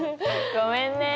ごめんね。